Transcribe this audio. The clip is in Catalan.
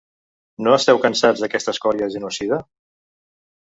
No esteu cansats d’aquesta escòria genocida?